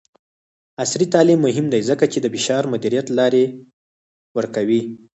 عصري تعلیم مهم دی ځکه چې د فشار مدیریت لارې ورکوي.